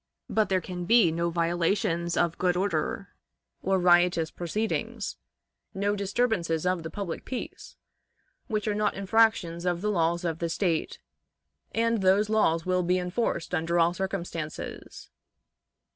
But there can be no violations of good order, or riotous proceedings, no disturbances of the public peace, which are not infractions of the laws of the State; and those laws will be enforced under all circumstances.